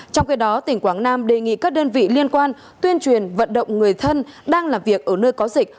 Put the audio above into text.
trong khi đó tỉnh quảng nam đề nghị các đơn vị liên quan tuyên truyền vận động người thân đang làm việc ở nơi có dịch